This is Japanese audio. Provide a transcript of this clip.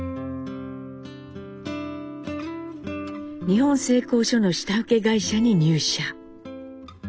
日本製鋼所の下請け会社に入社。